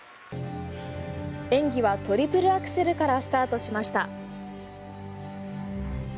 演技はトリプルアクセルからスタートしました。